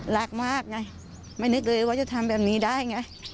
รักมากไงไม่นึกเลยว่าจะทำแบบนี้ได้ไง